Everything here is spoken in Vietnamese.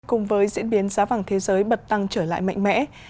cùng với diễn biến giá vàng thế giới bật tăng trở lại mạnh mẽ